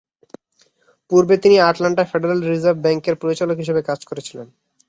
পূর্বে, তিনি Atlanta federal reserve ব্যাঙ্কের পরিচালক হিসাবে কাজ করছিলেন।